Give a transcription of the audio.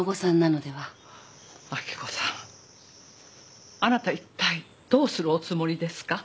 明子さんあなたいったいどうするおつもりですか？